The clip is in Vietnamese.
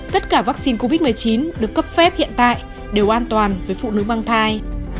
tất cả vaccine covid một mươi chín được cấp phép hiện tại đều an toàn với phụ nữ mang thai